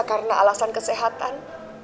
karena alasan kesehatan